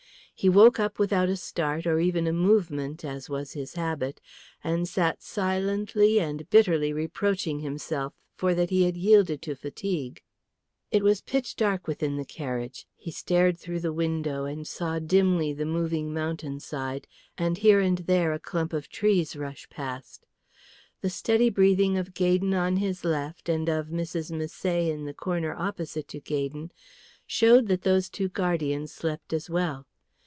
He woke up without a start or even a movement, as was his habit, and sat silently and bitterly reproaching himself for that he had yielded to fatigue. It was pitch dark within the carriage; he stared through the window and saw dimly the moving mountain side, and here and there a clump of trees rush past. The steady breathing of Gaydon, on his left, and of Mrs. Misset in the corner opposite to Gaydon, showed that those two guardians slept as well.